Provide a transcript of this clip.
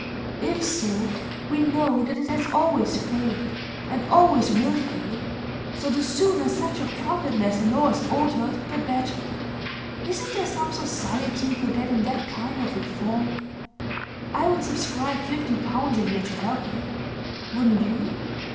'If so, we know that it has always failed, and always will fail; so the sooner such a profitless law is altered the better. Isn't there some society for getting that kind of reform? I would subscribe fifty pounds a year to help it. Wouldn't you?